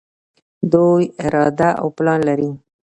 دوی اراده او پلان لري.